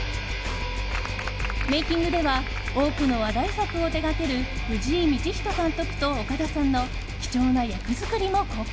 メイキングでは多くの話題作を手掛ける藤井道人監督と岡田さんの貴重な役作りも公開。